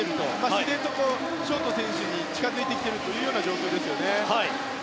自然とショート選手に近付いてきているという状況ですよね。